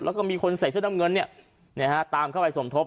แล้วก็มีคนใส่เสื้อน้ำเงินตามเข้าไปสมทบ